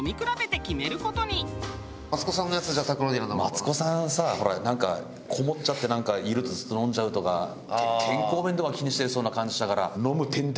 マツコさんさほらなんかこもっちゃっているとずっと飲んじゃうとか健康面とか気にしてそうな感じしたから。